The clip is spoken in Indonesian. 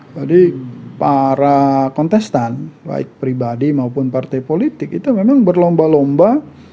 jadi para kontestan baik pribadi maupun partai politik itu memang berlomba lomba